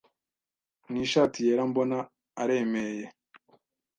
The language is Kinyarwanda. n’ ishati yera mbona aremeye